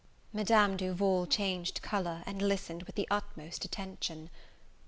Madame Duval changed colour, and listened with the utmost attention.